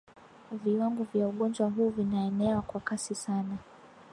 Viwango vya ugonjwa huu vinaenea kwa kasi sana.